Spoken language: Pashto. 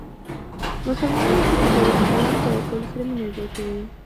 مسلمانان یو بل ته د سلام په ورکولو سره مینه زیاتوي.